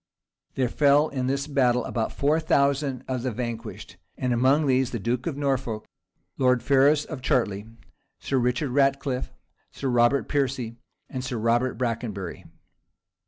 There fell in this battle about four thousand of the vanquished; and among these the duke of Norfolk, Lord Ferrars of Chartley, Sir Richard Ratcliffe, Sir Robert Piercy, and Sir Robert Brackenbury.